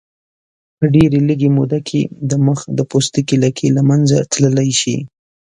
په ډېرې لږې موده کې د مخ د پوستکي لکې له منځه تللی شي.